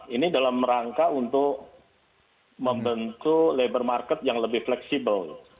ini dalam rangka untuk membentuk labor market yang lebih fleksibel